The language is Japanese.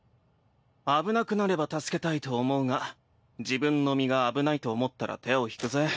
危なくなれば助けたいと思うが自分の身が危ないと思ったら手を引くぜ。